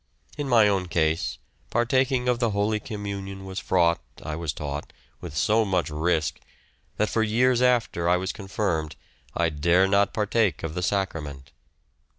In my own case, partaking of the Holy Communion was fraught, I was taught, with so much risk, that for years after I was confirmed I dare not partake of the Sacrament.